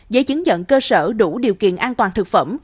giấy chứng nhận cơ sở đủ điều kiện an toàn thực phẩm